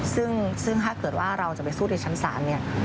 ซึ่งถ้าเกิดว่าเราจะไปสู้ในชั้นศาลเนี่ย